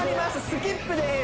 スキップです